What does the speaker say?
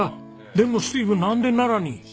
でもスティーヴなんで奈良に？